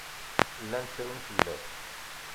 Llan ttrun fell-as.